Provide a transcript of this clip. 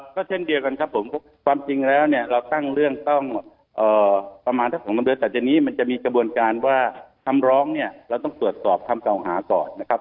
ก็เช่นเดียวกันครับผมความจริงแล้วเนี่ยเราตั้งเรื่องต้องประมาณสัก๒๓เดือนต่อจากนี้มันจะมีกระบวนการว่าคำร้องเนี่ยเราต้องตรวจสอบคำเก่าหาก่อนนะครับ